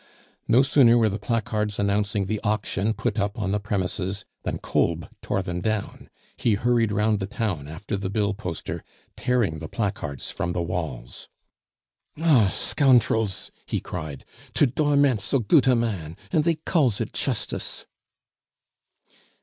No sooner were the placards announcing the auction put up on the premises than Kolb tore them down; he hurried round the town after the bill poster, tearing the placards from the walls. "Ah, scountrels!" he cried, "to dorment so goot a man; and they calls it chustice!"